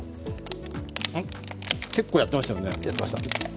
結構やってましたよね。